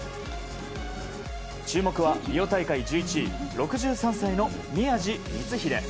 注目はリオ大会１１位６３歳の宮路満英。